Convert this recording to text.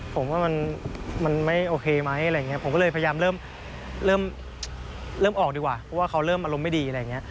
ผมก็บอกไม่ได้ว่าเด้อเ